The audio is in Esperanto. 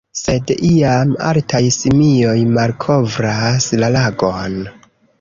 Sed iam, altaj simioj malkovras la lagon.